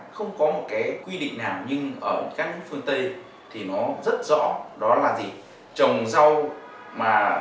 không có một cái quy định nào nhưng ở các nước phương tây thì nó rất rõ đó là gì trồng rau mà